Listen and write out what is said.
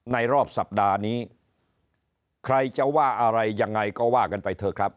ในรอบสัปดาห์นี้ใครจะว่าอะไรยังไงก็ว่ากันไปเถอะครับ